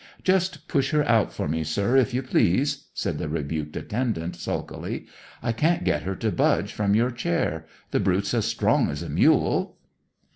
"Just push her out for me, sir, if you please," said the rebuked attendant, sulkily. "I can't get her to budge from your chair. The brute's as strong as a mule."